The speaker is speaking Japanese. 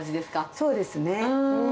そうですね。